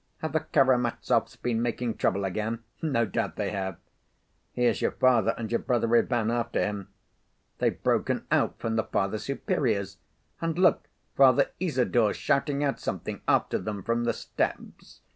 Have the Karamazovs been making trouble again? No doubt they have. Here's your father and your brother Ivan after him. They've broken out from the Father Superior's. And look, Father Isidor's shouting out something after them from the steps.